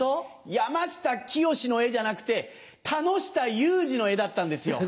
山下清の絵じゃなくて田ノ下雄二の絵だったんですよ。